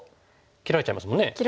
切られちゃいますもんね。